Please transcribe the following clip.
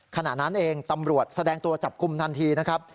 ขณะนั้นเองตำรวจแสดงตัวจับกลุ่มทันทีนะครับ